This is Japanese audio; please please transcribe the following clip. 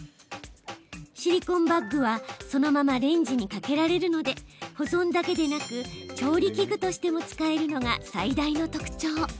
シリコンバッグはそのままレンジにかけられるので保存だけでなく調理器具としても使えるのが最大の特徴。